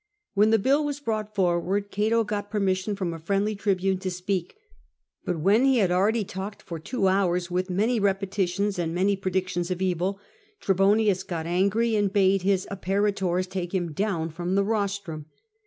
When the bill was brought forward, Cato got permission from a friendly tribune to speak, but when he had already talked for two hours, with many repetitions and many predic tions of evil," Trebonius got angry and bade his apparitors take him down from the rostrum.